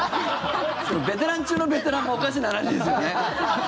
ベテラン中のベテランもおかしな話ですよね。